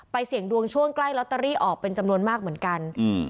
เสี่ยงดวงช่วงใกล้ลอตเตอรี่ออกเป็นจำนวนมากเหมือนกันอืม